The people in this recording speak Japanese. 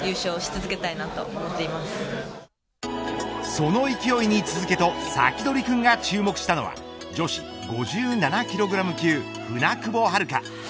その勢いに続けとサキドリくんが注目したのは女子５７キログラム級舟久保遥香。